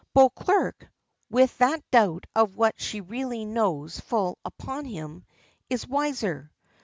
Beauclerk, with that doubt of what she really knows full upon him, is wiser.